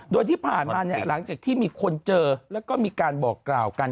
โดยที่ผ่านมาเนี่ยหลังจากที่มีคนเจอแล้วก็มีการบอกกล่าวกัน